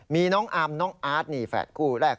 มีน้องอาร์มน้องอาร์ตนี่แฝดคู่แรก